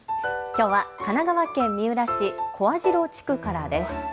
きょうは神奈川県三浦市、小網代地区からです。